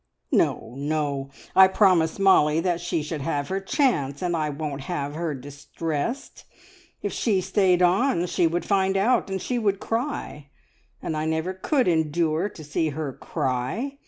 "No, no! I promised Molly that she should have her chance, and I won't have her distressed. If she stayed on she would find out and she would cry, and I never could endure to see her cry.